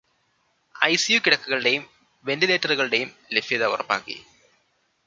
ICU കിടക്കകളുടേയും വെന്റിലേറ്ററുകളുടേയും ലഭ്യത ഉറപ്പാക്കി.